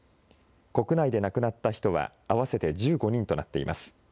国内で亡くなった人は合わせて１５人となっています。